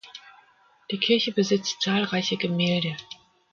Die Kirche besitzt zahlreiche Gemälde.